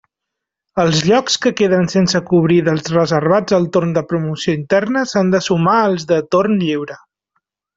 Els llocs que queden sense cobrir dels reservats al torn de promoció interna s'han de sumar als de torn lliure.